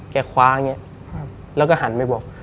คว้าอย่างนี้แล้วก็หันไปบอก